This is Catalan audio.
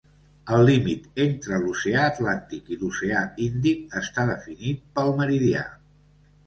El límit entre l'oceà Atlàntic i l'Oceà Índic està definit pel meridià.